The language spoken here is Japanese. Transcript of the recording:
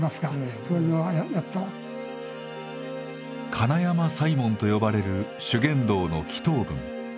金山祭文と呼ばれる修験道の祈祷文。